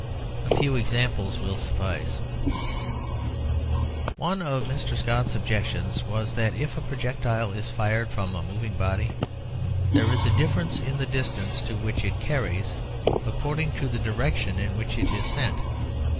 A few examples will suffice: One of Mr. Scott's objections was that if a projectile is fired from a moving body there is a difference in the distance to which it carries according to the direction in which it is sent.